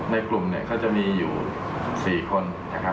ในกลุ่มก็จะมีอยู่๔คน